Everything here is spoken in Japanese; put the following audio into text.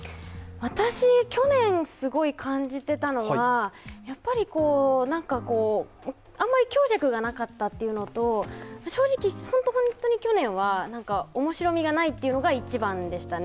私、去年すごい感じていたのは、あんまり強弱がなかったというのと正直、本当に去年は面白みがないというのが一番でしたね。